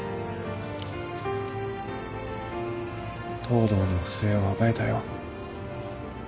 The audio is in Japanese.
藤堂の不正を暴いたよ。